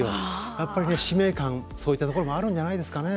やっぱり使命感そういったところもあるんじゃないですかね。